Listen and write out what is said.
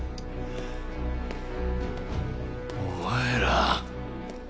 お前ら！？